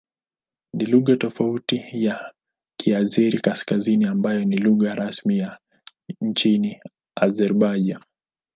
Ni lugha tofauti na Kiazeri-Kaskazini ambayo ni lugha rasmi nchini Azerbaijan.